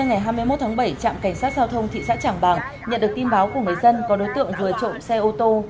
ngày hai mươi một tháng bảy trạm cảnh sát giao thông thị xã trảng bàng nhận được tin báo của người dân có đối tượng vừa trộm xe ô tô